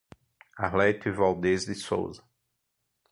Arlete Valdez de Souza